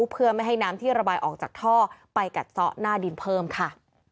เพื่อไม่ให้น้ำที่ระบายออกจากท่อไปกัดซ่อหน้าดินเพิ่มค่ะ